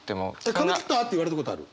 「髪切った？」って言われたことある？